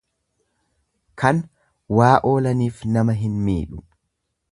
Kan waa oolaniif nama hin miidhu.